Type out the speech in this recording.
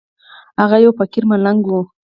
هغه يو فقير ملنگ و.